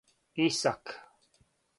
Исак